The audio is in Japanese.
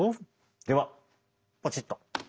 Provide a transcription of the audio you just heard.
ではポチッと。